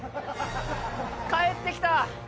帰ってきた！